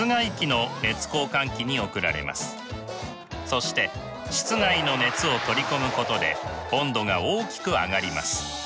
そして室外の熱を取り込むことで温度が大きく上がります。